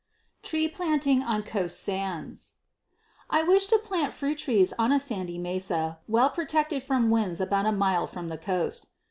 Tree Planting on Coast Sands. I wish to plant fruit trees on a sandy mesa well protected from winds about a mile from the coast.